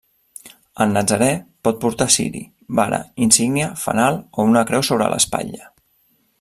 El natzarè pot portar ciri, vara, insígnia, fanal o una creu sobre l'espatlla.